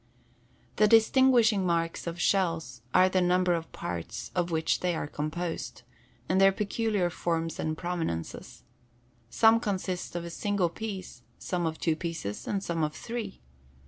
The distinguishing marks of shells are the number of parts of which they are composed, and their peculiar forms and prominences. Some consist of a single piece, some of two pieces, and some of three.